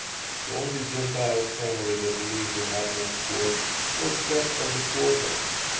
The only Gentile family that lived in Abner's Court was that of the porter.